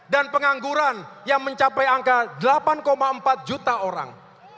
dan pengangguran yang mencapai angka delapan empat juta orang